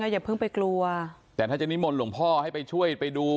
อย่าเพิ่งไปกลัวแต่ถ้าจะนิมนต์หลวงพ่อให้ไปช่วยไปดู